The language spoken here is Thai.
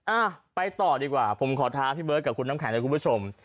อ่ะไปต่อดีกว่าผมขอท้าพี่เบิร์ดกับคุณน้ำแข็งเลยคุณผู้ชม